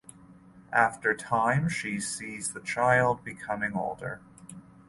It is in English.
After time she sees the child becoming older.